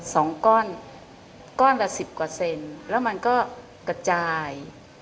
สองก้อนก้อนละสิบกว่าเซนแล้วมันก็กระจาย